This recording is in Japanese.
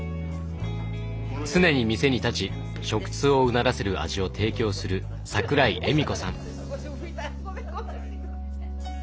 常に店に立ち食通をうならせる味を提供する桜井莞子さん。